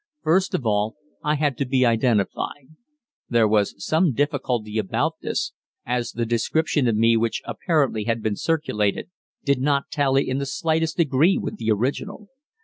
First of all, I had to be identified. There was some difficulty about this, as the description of me which apparently had been circulated did not tally in the slightest degree with the original.